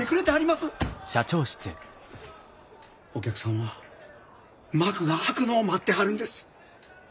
お客さんは幕が開くのを待ってはるんです。